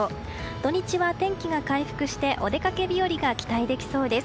土日は天気が回復してお出かけ日和が期待できそうです。